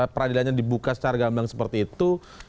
peradilannya dibuka secara gamblang seperti itu